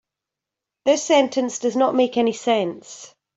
This sentence does not make any sense.